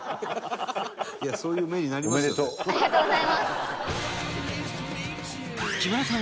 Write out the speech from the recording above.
「いやそういう目になりますよね」